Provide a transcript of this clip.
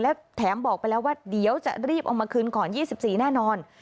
และแถมบอกไปแล้วว่าเดี๋ยวจะรีบเอามาคืนก่อน๒๔แน่นอน